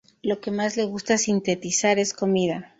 Lo que más le gusta sintetizar es comida.